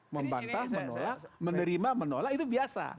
membantah menolak menerima menolak itu biasa